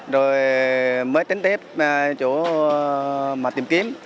rồi mới tính tiếp chỗ mà tìm kiếm